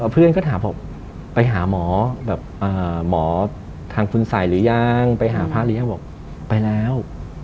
เพื่อนก็ถามบอกไปหาหมอแบบหมอทางคุณสัยหรือยังไปหาพระเลี้ยงบอกไปแล้ว